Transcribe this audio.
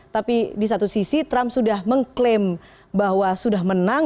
tapi di satu sisi trump sudah mengklaim bahwa sudah menang